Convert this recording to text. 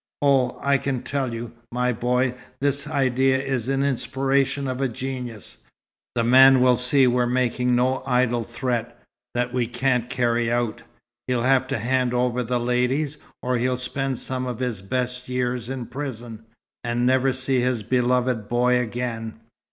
Oh, I can tell you, my boy, this idea is the inspiration of a genius! The man will see we're making no idle threat, that we can't carry out. He'll have to hand over the ladies, or he'll spend some of his best years in prison, and never see his beloved boy again."